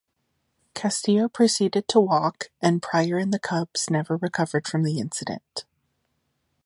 Castillo proceeded to walk and Prior and the Cubs never recovered from the incident.